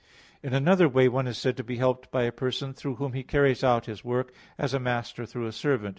In another way one is said to be helped by a person through whom he carries out his work, as a master through a servant.